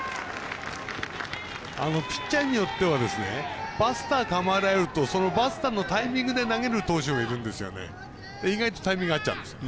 ピッチャーによってはバスター構えられるとそのバスターのタイミングで投げる投手もいるんですよね。